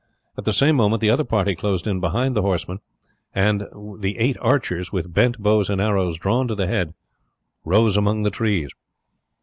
At the same moment the other party closed in behind the horsemen; and the eight archers, with bent bows and arrows drawn to the head, rose among the trees.